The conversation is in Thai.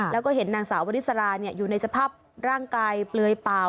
แล้วก็เห็นนางสาววริสราอยู่ในสภาพร่างกายเปลือยเปล่า